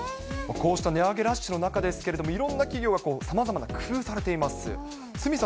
こうした値上げラッシュの中ですけれども、いろんな企業がさまざまな工夫されています。